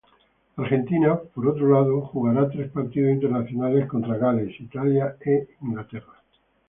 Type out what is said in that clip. Argentina por otro lado jugará tres partidos internacionales contra Gales, Italia e Inglaterra.